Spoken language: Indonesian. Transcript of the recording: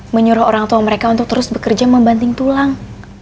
menyuruh orang tua mereka untuk terus bekerja membanting tulang